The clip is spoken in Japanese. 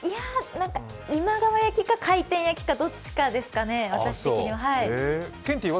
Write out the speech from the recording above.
今川焼きか回転焼きかどっちかですかね、私的には。